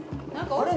あれ？